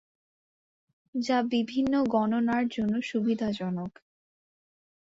যা বিভিন্ন গণনার জন্য সুবিধাজনক।